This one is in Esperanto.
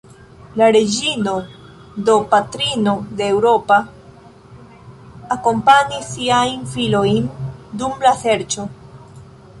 La reĝino, do patrino de Eŭropa, akompanis siajn filojn dum la serĉo.